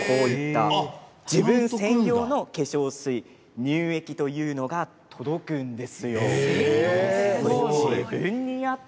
自分専用の化粧水乳液というのが届くんです。